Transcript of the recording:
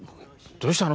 どうしたの？